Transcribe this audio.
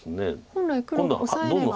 本来黒オサえれば。